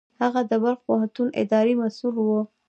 هغه د بلخ پوهنتون اداري مسوول و.